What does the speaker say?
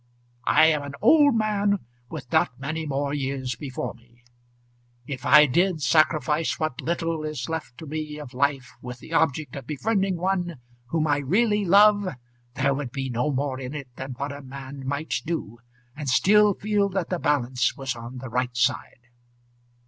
I am an old man with not many more years before me. If I did sacrifice what little is left to me of life with the object of befriending one whom I really love, there would be no more in it than what a man might do, and still feel that the balance was on the right side.